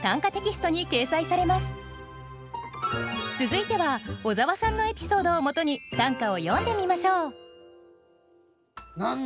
続いては小沢さんのエピソードをもとに短歌を詠んでみましょう。